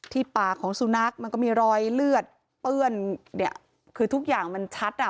ปากของสุนัขมันก็มีรอยเลือดเปื้อนเนี่ยคือทุกอย่างมันชัดอ่ะ